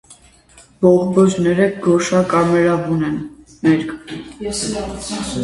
Բողբոջները գորշակարմրավուն են, մերկ։